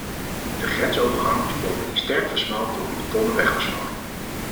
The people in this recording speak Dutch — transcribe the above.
De grensovergang is bovendien sterk versmald door een betonnen wegversmalling.